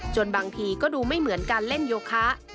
บางทีก็ดูไม่เหมือนการเล่นโยคะ